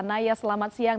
naya selamat siang